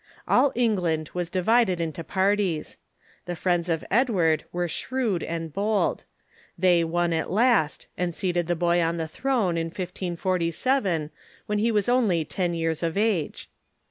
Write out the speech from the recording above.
All England was divided into parties. The friends of Edward were' shrewd and bold. They Avon at last, and seated the boy on the throne, in 1547, when he was only ten years of age.